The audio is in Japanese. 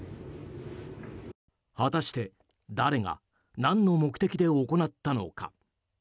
果たして誰が何の目的で行ったのか。